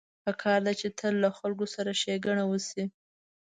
پکار ده چې تل له خلکو سره ښېګڼه وشي